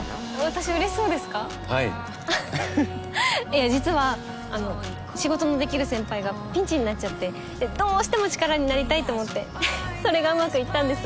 いや実はあの仕事のできる先輩がピンチになっちゃってでどうしても力になりたいと思ってははっそれがうまくいったんです。